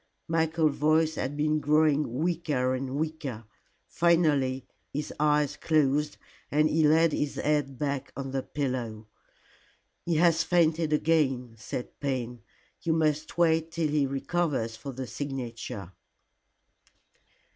Michael's voice had been growing weaker and weaker. Finally his eyes closed, and he laid his head back on the pillow. "He has fainted again," said Payne. "You must wait till he recovers for the signature."